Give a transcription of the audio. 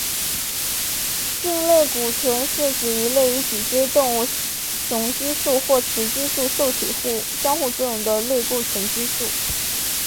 性类固醇是指一类与脊椎动物雄激素或雌激素受体相互作用的类固醇激素。